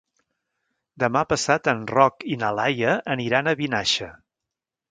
Demà passat en Roc i na Laia aniran a Vinaixa.